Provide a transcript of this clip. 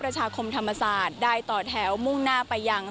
ประชาคมธรรมศาสตร์ได้ต่อแถวมุ่งหน้าไปยัง